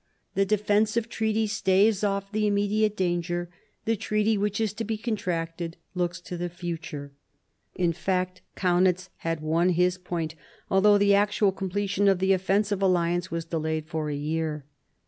The defensive treaty staves off the immediate danger, the treaty which is to be contracted looks to the future." In fact, Kaunitz had won his point, although the actual completion of the offensive alliance was delayed for a year.